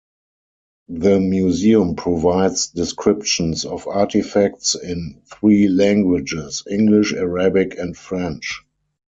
The museum provides descriptions of artifacts in three languages: English, Arabic, and French.